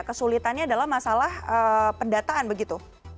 kesulitannya adalah masalah pendataan begitu